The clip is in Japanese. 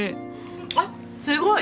あっすごい！